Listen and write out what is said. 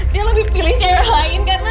dia lebih pilih daerah lain karena